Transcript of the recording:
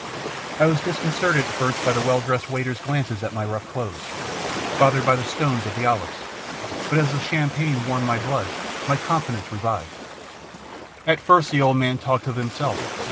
I was disconcerted at first by the well dressed waiter's glances at my rough clothes, bothered by the stones of the olives, but as the champagne warmed my blood, my confidence revived. At first the old man talked of himself.